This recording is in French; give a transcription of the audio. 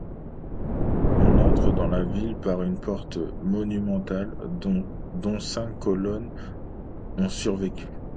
On entre dans la ville par une porte monumentale, dont cinq colonnes ont survécu.